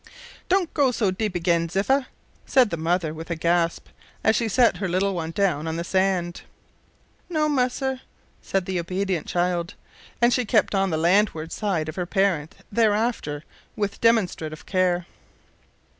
"Don't go so deep agin, Ziffa," said the mother, with a gasp, as she set her little one down on the sand. "No, musser," said the obedient child; and she kept on the landward side of her parent thereafter with demonstrative care.